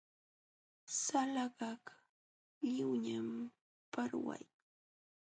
Salakaq lliwñam parwaykan.